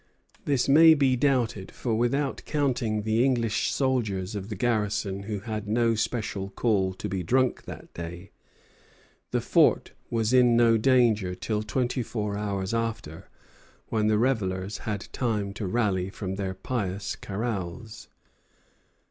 This may be doubted; for without counting the English soldiers of the garrison who had no special call to be drunk that day, the fort was in no danger till twenty four hours after, when the revellers had had time to rally from their pious carouse.